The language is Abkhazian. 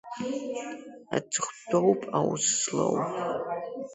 Аҵыхәтәоуп аус злоу!